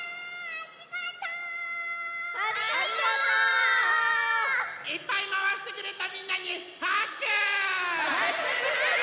ありがとう！いっぱいまわしてくれたみんなにはくしゅ！